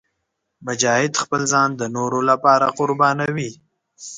مجاهد خپل ځان د نورو لپاره قربانوي.